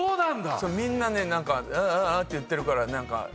みんなね何か「ア」って言ってるから何か。